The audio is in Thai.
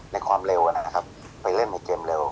ในความเร็วนะครับไปเล่นในเกมเร็ว